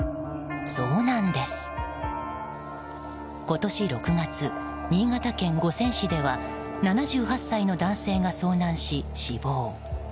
今年６月、新潟県五泉市では７８歳の男性が遭難し、死亡。